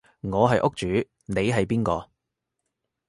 我係屋主你係邊個？